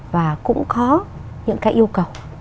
và cũng có những cái yêu cầu